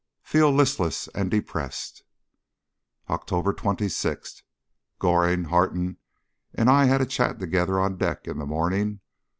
Feel listless and depressed. October 26. Goring, Harton, and I had a chat together on deck in the morning.